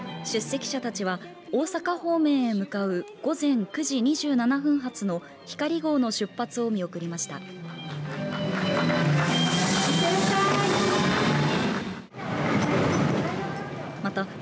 出席者たちは大阪方面へ向かう午前９時２７分発のひかり号の出発を見送りました。